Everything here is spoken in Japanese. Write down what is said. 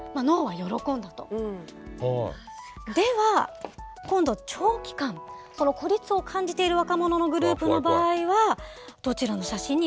では今度は長期間孤立を感じている若者のグループの場合はどちらの写真に喜びを感じたか。